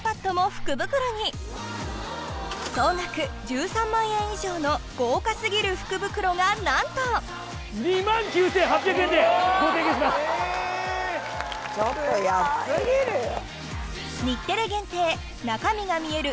福袋に総額１３万円以上の豪華過ぎる福袋がなんとちょっと安過ぎるよ。